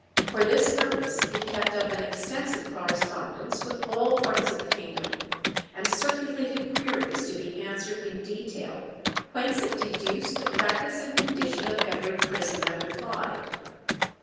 For this purpose it kept up an extensive correspondence with all parts of the kingdom, and circulated queries to be answered in detail, whence it deduced the practice and condition of every prison that replied.